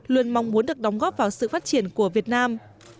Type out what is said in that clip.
luôn mong muốn được đóng góp vào sự phát triển của việt nam